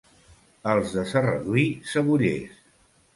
Els de Serradui, cebollers.